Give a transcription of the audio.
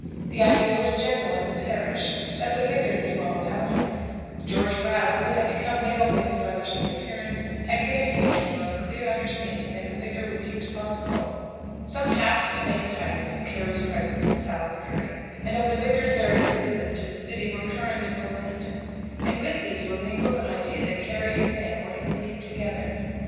The idea was general in the parish that the Vicar knew all about him. George Brattle, who had become bail for his brother's reappearance, had given his name on the clear understanding that the Vicar would be responsible. Some half sustained tidings of Carry's presence in Salisbury and of the Vicar's various visits to the city were current in Bullhampton, and with these were mingled an idea that Carry and Sam were in league together.